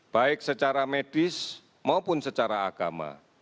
baik secara medis maupun secara agama